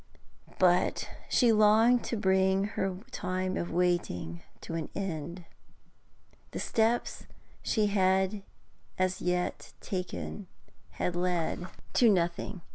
But she longed to bring her time of waiting to an end. The steps she had as yet taken had led to nothing.